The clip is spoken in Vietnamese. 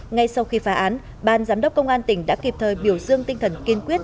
ngay sau khi phá án ban giám đốc công an tỉnh đã kịp thời biểu dương tinh thần kiên quyết